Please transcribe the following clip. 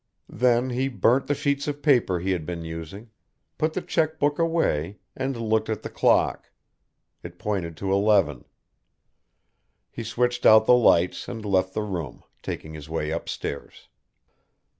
Then he burnt the sheets of paper he had been using, put the cheque book away and looked at the clock; it pointed to eleven. He switched out the lights and left the room, taking his way upstairs.